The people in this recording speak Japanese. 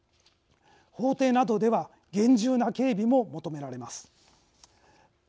法廷などでは厳重な警備も求められます。